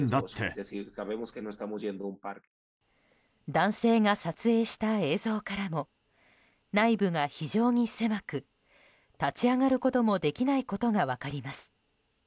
男性が撮影した映像からも内部が非常に狭く立ち上がることもできないことが分かります。